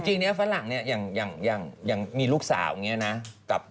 จริงเนี่ยฝรั่งเนี่ยอย่างมีลูกสาวอย่างนี้นะ